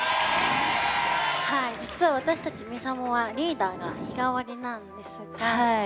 実は、私ＭＩＳＡＭＯはリーダーが日替わりなんですが。